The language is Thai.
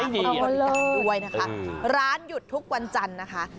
เอ้ยดีเอาเลยด้วยนะคะอืมร้านหยุดทุกวันจันทร์นะคะ